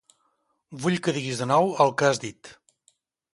Vull que diguis de nou el que has dit.